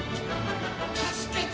助けて。